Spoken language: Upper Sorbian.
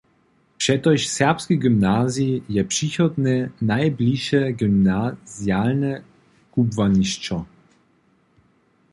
Přetož Serbski gymnazij je přichodne najbliše gymnazialne kubłanišćo.